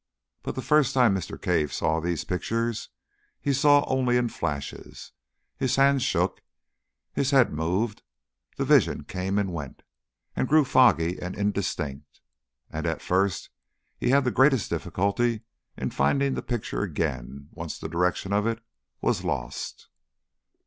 But the first time Mr. Cave saw these pictures he saw only in flashes, his hands shook, his head moved, the vision came and went, and grew foggy and indistinct. And at first he had the greatest difficulty in finding the picture again once the direction of it was lost.